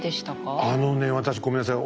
あのね私ごめんなさい。